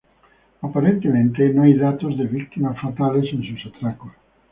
Aparentemente, no hay datos de víctimas fatales en sus atracos.